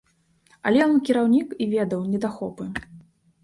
Але ён кіраўнік і ведаў недахопы.